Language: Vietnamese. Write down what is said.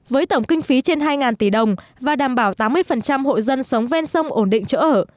với tổng kinh phí trên hai tỷ đồng và đảm bảo tám mươi hộ dân sống ven sông ổn định chỗ ở